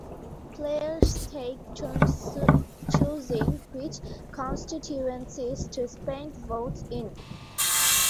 Players take turns choosing which constituencies to spend votes in.